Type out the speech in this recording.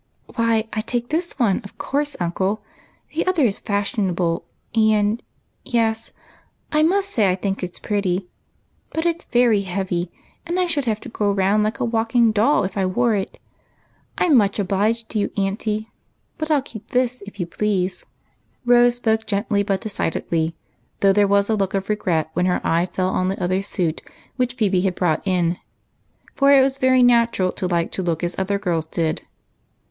" Why, I take this one, of course, uncle. The other is fashionable, and — yes — I must say I think it 's pretty — but it 's very heavy, and I should have to go round like a walking doll if I wore it. I 'm much obliged to auntie, but I '11 keep this, please." Rose sjioke gently but decidedly, though there was a look of regret when her eye fell on the other suit which Phebe had brought in ; and it was very natural to like to look as other girls did.